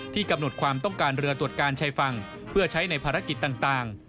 กำหนดความต้องการเรือตรวจการชายฝั่งเพื่อใช้ในภารกิจต่าง